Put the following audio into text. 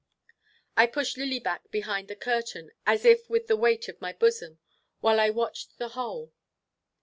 I pushed Lily back behind the curtain as if with the weight of my bosom, while I watched the whole.